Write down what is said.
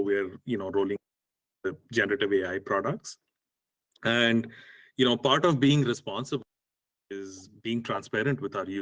dan juga kami memberikan anda sebagai orang yang menggunakan bart